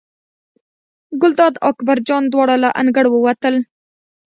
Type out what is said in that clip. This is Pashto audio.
ګلداد او اکبر جان دواړه له انګړه ووتل.